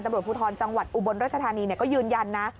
ตำรวจภูทรจังหวัดอุบลรัชธานีก็ยืนยันนะ